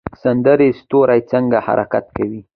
سمندري ستوری څنګه حرکت کوي؟